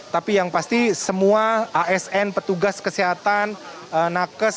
tapi yang pasti semua asn petugas kesehatan nakes